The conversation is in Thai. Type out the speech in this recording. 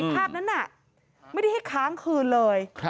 ภาพนั้นน่ะไม่ได้ให้ค้างคืนเลย